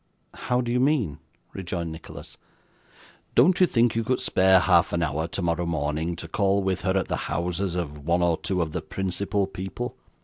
'How do you mean?' rejoined Nicholas. 'Don't you think you could spare half an hour tomorrow morning, to call with her at the houses of one or two of the principal people?